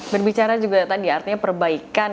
berbicara juga tadi artinya perbaikan